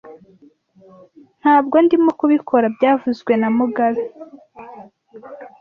Ntabwo ndimo kubikora byavuzwe na mugabe